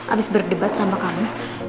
abis berdebat sama kamu